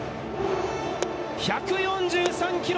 １４３キロ！